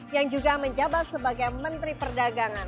yang juga menjabat sebagai menteri perdagangan